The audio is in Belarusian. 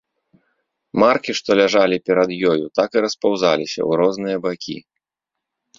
Маркі, што ляжалі перад ёю, так і распаўзаліся ў розныя бакі.